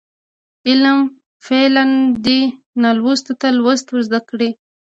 عام فعالان دي نالوستو ته لوست ورزده کړي.